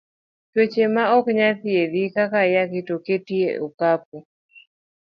Tuoche ma ok nyal thiedhi kaka ayaki to oketi e okapu.